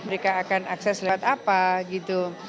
mereka akan akses lewat apa gitu